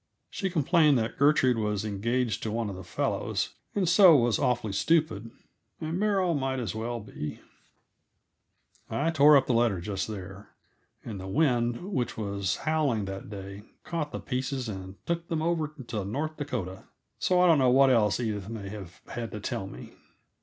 She complained that Gertrude was engaged to one of the fellows, and so was awfully stupid; and Beryl might as well be I tore up the letter just there, and the wind, which was howling that day, caught the pieces and took them over into North Dakota; so I don't know what else Edith may have had to tell me.